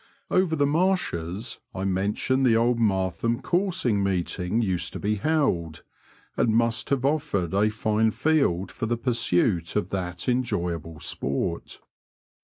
Over the marshes I mention the old Martham Coursing Meeting used to be held, and must have offered a fine field for the pursuit of that enjoyable sport.